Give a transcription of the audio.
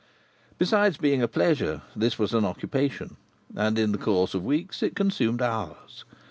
Besides being a pleasure, this was an occupation, and in the course of weeks it consumed hours.